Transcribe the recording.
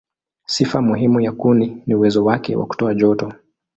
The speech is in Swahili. Sifa muhimu ya kuni ni uwezo wake wa kutoa joto.